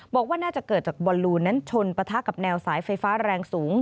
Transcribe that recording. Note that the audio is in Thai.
บอกว่าน่าจะเกิดจากบอลลูนนั้นชนปะทะกับแนวสายไฟฟ้าแรงสูง